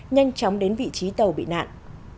nhanh chóng đến vị trí tàu bị nạn